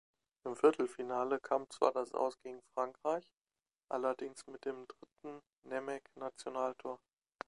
Im Viertelfinale kam zwar das Aus gegen Frankreich, allerdings mit dem dritten Nemec-Nationaltor.